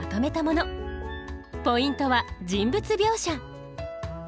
ポイントは「人物描写」。